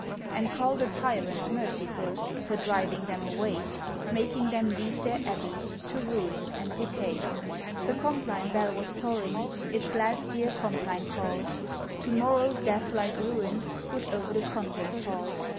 And call the tyrant merciful, For driving them away, Making them leave their Abbey To ruin and decay. The Compline Bell was tolling Its last dear Compline call, To morrow death like ruin Would o'er the Convent fall.